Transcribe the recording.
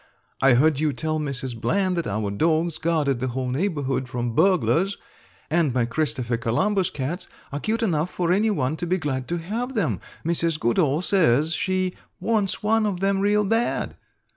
I heard you tell Mrs. Bland that our dogs guarded the whole neighborhood from burglars, and my Christopher Columbus cats are cute enough for anyone to be glad to have them. Mrs. Goodall says she 'wants one of them real bad.'